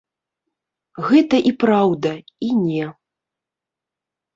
Гэта і праўда, і не.